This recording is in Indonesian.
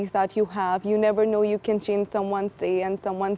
anda tidak pernah tahu bahwa anda bisa mengubah hari seseorang